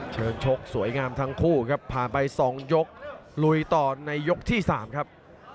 ชกสวยงามทั้งคู่ครับผ่านไป๒ยกลุยต่อในยกที่๓ครับ